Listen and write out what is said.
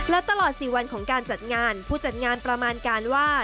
และตลอด๔วันของการจัดงานผู้จัดงานประมาณการว่า